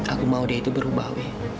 aku mau dia itu berubah